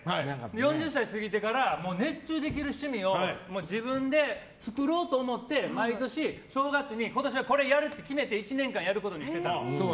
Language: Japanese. ４０歳過ぎてから熱中できる趣味を自分で作ろうと思って毎年、正月に今年はこれやるって決めて１年間、やることにしてたんです。